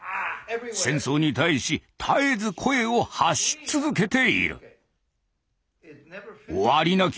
戦争に対し絶えず声を発し続けている。